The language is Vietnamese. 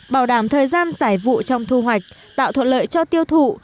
bảo đảm thời gian giải vụ trong thu hoạch tạo thuận lợi cho tiêu thụ